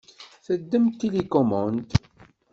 Teddem tilikumund.